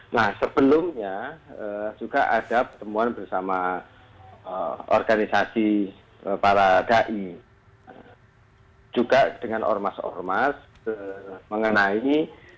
nah sebelumnya juga ada pertemuan bersama organisasi para dai juga dengan ormas ormas mengenai